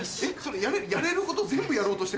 やれること全部やろうとしてない？